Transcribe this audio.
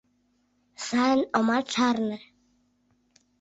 Сайын омат шарне.